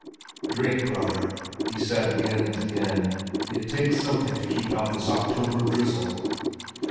"Drink, brother!" he said again and again. "It takes something to keep out this October drizzle."